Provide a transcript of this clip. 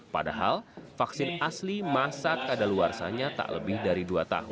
padahal vaksin asli masa kadaluarsanya tak lebih dari dua tahun